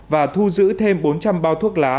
và thu giữ thêm bốn trăm linh bao thuốc lá